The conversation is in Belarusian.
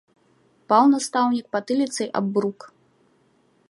Паў настаўнік патыліцай аб брук.